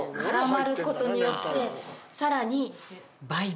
さらに。